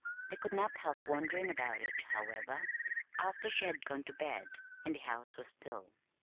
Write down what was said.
They could not help wondering about it, however, after she had gone to bed, and the house was still.